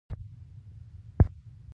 کاناډا د کډوالو هرکلی کوي.